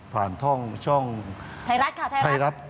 ผ่านท่องช่องไทรัฐค่ะไทรัฐ